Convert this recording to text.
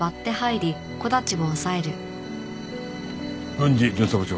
郡司巡査部長。